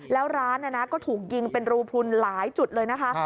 แล้วร้านก็ถูกยิงเป็นรูพลุนหลายจุดเลยนะคะ